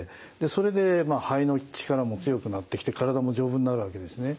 それで肺の力も強くなってきて体も丈夫になるわけですね。